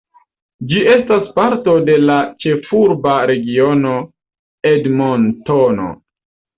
Ĝi estas parto de la Ĉefurba Regiono Edmontono.